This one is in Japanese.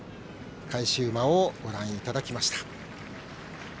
返し馬をご覧いただきました。